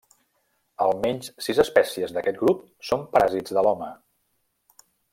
Almenys sis espècies d'aquest grup són paràsits de l'home.